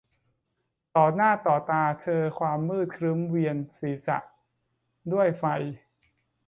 ต่อหน้าต่อตาเธอความมืดครึ้มเวียนศีรษะด้วยไฟ